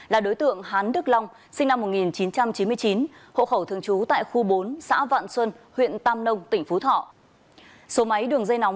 là đối tượng hán đức long sinh năm một nghìn chín trăm chín mươi chín hộ khẩu thường trú tại khu bốn xã vạn xuân huyện tam nông tỉnh phú thọ